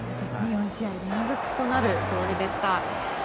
４試合連続となるゴールでした。